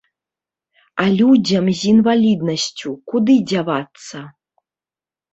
А людзям з інваліднасцю куды дзявацца?